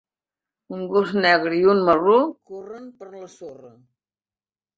Un gos negre i un marró corren per la sorra.